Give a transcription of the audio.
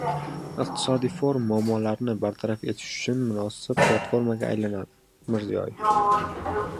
Iqtisodiy forum muammolarni bartaraf etish uchun munosib platformaga aylanadi - Mirziyoyev